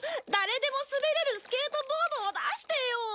誰でも滑れるスケートボードを出してよ！